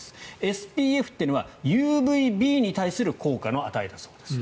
ＳＰＦというのはＵＶＢに対する効果の値だそうです。